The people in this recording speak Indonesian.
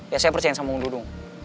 ya saya percayain sama om dudung